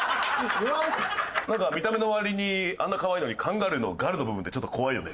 なんか見た目の割にあんな可愛いのに「カンガルー」の「ガル」の部分ってちょっと怖いよね。